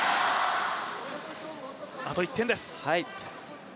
あと１点です。